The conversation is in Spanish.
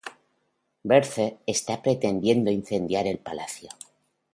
Berthe entra pretendiendo incendiar el palacio.